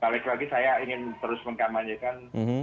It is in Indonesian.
balik lagi saya ingin terus mengkampanyekan